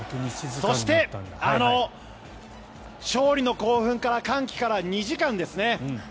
そしてあの勝利の興奮歓喜から２時間ですね。